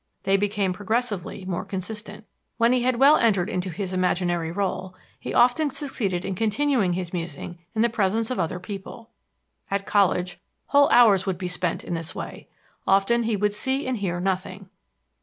They became progressively more consistent.... When he had well entered into his imaginary rôle, he often succeeded in continuing his musing in the presence of other people. At college, whole hours would be spent in this way; often he would see and hear nothing."